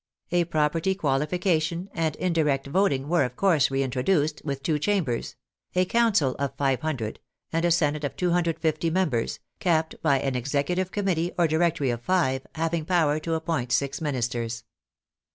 A property qualification and indirect voting were, of course, re introduced, with two Chambers, a Council of 500, and a Senate of 250 members, capped by an Executive Committee or Direc tory of five, having power to appoint six Ministers.